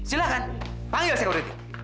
silakan panggil sekuriti